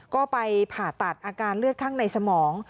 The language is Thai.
ก็ไปผ่าตัดอาการเลือดข้างในสมอง